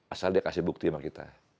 asal dia kasih bukti bahwa dia bisa menang